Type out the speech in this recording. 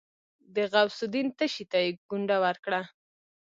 د غوث الدين تشي ته يې ګونډه ورکړه.